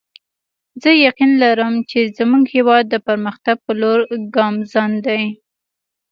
زه یقین لرم چې زموږ هیواد د پرمختګ په لور ګامزن دی